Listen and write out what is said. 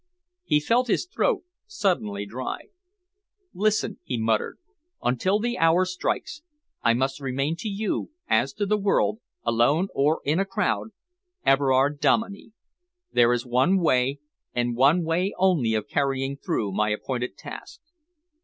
He felt his throat suddenly dry. "Listen," he muttered, "until the hour strikes, I must remain to you as to the world, alone or in a crowd Everard Dominey. There is one way and one way only of carrying through my appointed task."